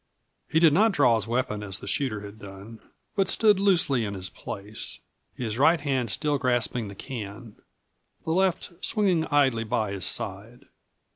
He did not draw his weapon as the shooter had done, but stood loosely in his place, his right hand still grasping the can, the left swinging idly by his side.